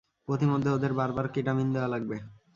পথিমধ্যে ওদের বারবার কেটামিন দেয়া লাগবে।